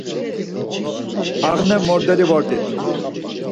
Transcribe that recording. Ağnemordeli vort̆it.